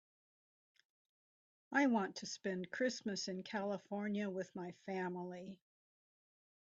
I want to spend Christmas in California with my family.